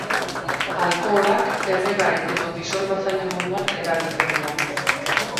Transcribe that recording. Alkoholak erregai edo disolbatzaile moduan erabiltzen dira.